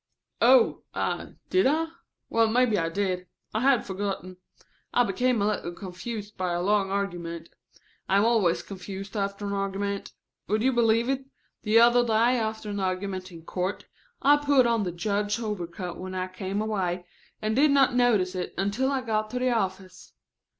"Oh, ah, did I? Well, maybe I did. I had forgotten. I became a little confused by our long argument. I am always confused after an argument. Would you believe it, the other day after an argument in court I put on the judge's overcoat when I came away and did not notice it until I got to the office?